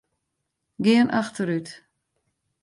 Gean achterút.